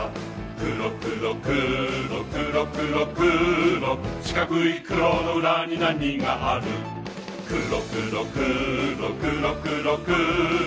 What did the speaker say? くろくろくろくろくろくろしかくいくろのうらになにがあるくろくろくろくろくろくろ